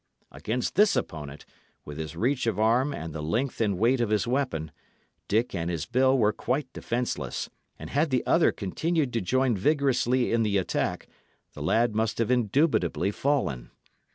Against this opponent, with his reach of arm and the length and weight of his weapon, Dick and his bill were quite defenceless; and had the other continued to join vigorously in the attack, the lad must have indubitably fallen.